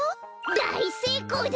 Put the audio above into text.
だいせいこうだ！